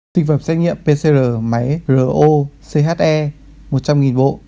sinh phẩm xét nghiệm pcr máy ro che một trăm linh bộ